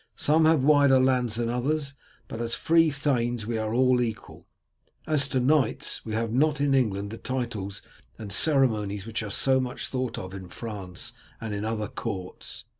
Some have wider lands than others, but as free thanes we are all equal. As to knights, we have not in England the titles and ceremonies which are so much thought of in France and in other courts."